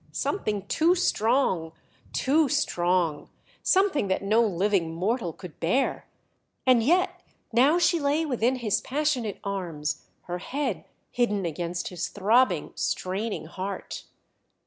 Something too strong, too strong, something that no living mortal could bear.... And yet now she lay within his passionate arms, her head hidden against his throbbing straining heart.